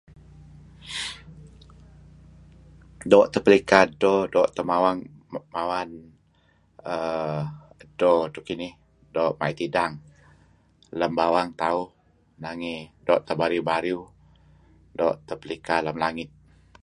do' teh pelika edto do teh mawan mawan um edto so kinih do' ma'it idang lem bawang tauh nange' do teh bariu do' teh pelika lem [unintelligible]